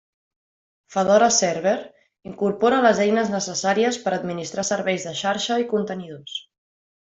Fedora Server, incorpora les eines necessàries per administrar serveis de xarxa i contenidors.